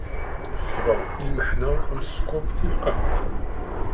Ṣṣbeṛ i lmeḥna, am sskeṛ i lqahwa.